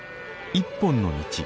「一本の道」。